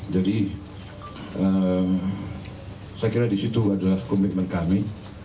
jadi saya kira di situ adalah komitmen kami